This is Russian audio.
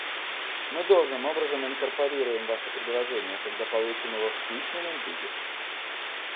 Мы должным образом инкорпорируем ваше предложение, когда получим его в письменном виде.